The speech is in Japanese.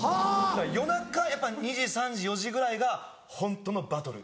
だから夜中やっぱ２時３時４時ぐらいがホントのバトル。